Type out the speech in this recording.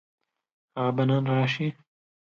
هغه به نن راشي.